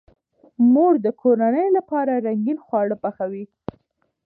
مور د کورنۍ لپاره رنګین خواړه پخوي.